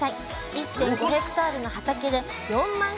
１．５ヘクタールの畑で４万個以上の春